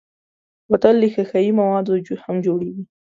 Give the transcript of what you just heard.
بوتل له ښیښهيي موادو هم جوړېږي.